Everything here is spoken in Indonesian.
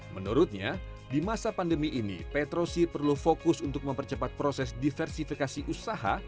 menurutnya di masa pandemi ini petrosi perlu fokus untuk mempercepat proses diversifikasi usaha